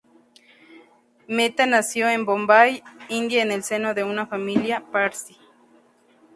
Mehta nació en Bombay, India en el seno de una familia Parsi.